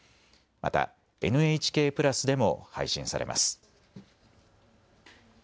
またＮＨＫプラスでも配信されます。